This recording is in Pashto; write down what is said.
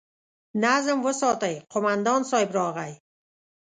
نظم وساتئ! قومندان صيب راغی!